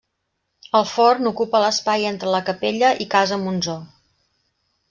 El forn ocupa l'espai entre la capella i Casa Monsó.